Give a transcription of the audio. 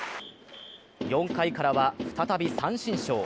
４回からは再び三振ショー。